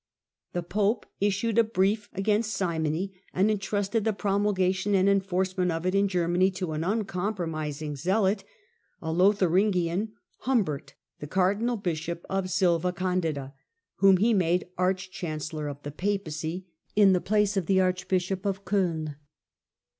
The pope issued a brief against simony, and entrusted the promulgation and en forcement of it in Germany to an uncompromising zealot, a Lotharingian, Humbert, the cardinal bishop of Silva Candida, whom he made arch chancellor of the Papacy, in the place of the archbishop of COln.